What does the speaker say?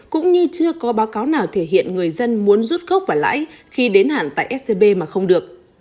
cũng như chưa có báo cáo nào thể hiện người dân muốn rút gốc và lãi khi đến hạn tại scb mà không được